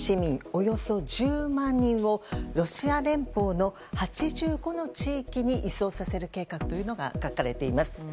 およそ１０万人をロシア連邦の８５の地域に移送させる計画が書かれています。